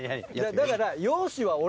だから。